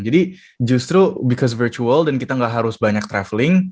jadi justru because virtual dan kita nggak harus banyak traveling